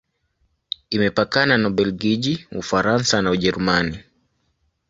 Imepakana na Ubelgiji, Ufaransa na Ujerumani.